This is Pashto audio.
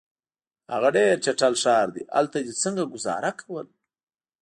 هغه ډېر چټل ښار دی، هلته دي څنګه ګذاره کول؟